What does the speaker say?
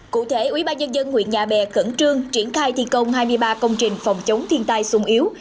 cụ thể ubnd huyện nhà bè cẩn trương triển khai thi công hai mươi ba công trình phòng chống thiên tai sung yếu